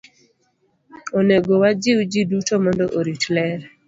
Onego wajiw ji duto mondo orit ler.